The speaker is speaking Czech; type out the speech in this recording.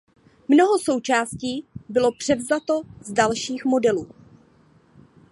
Mnoho součástí bylo převzato z dalších modelů.